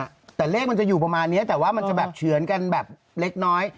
แต่เลขมันจะอยู่ประมาณเนี้ยแต่ว่ามันจะแบบเฉือนกันแบบเล็กน้อย